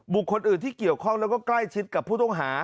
บุคคลอื่นที่เกี่ยวข้องแล้วก็ใกล้ชิดกับผู้ต้องหา